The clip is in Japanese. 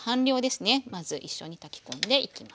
まず一緒に炊き込んでいきます。